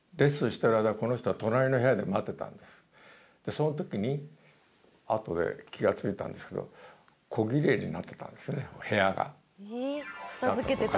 その時にあとで気が付いたんですけど小ギレイになってたんですね部屋が。